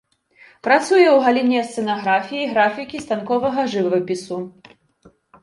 Працуе ў галіне сцэнаграфіі, графікі, станковага жывапісу.